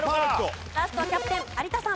ラストはキャプテン有田さん。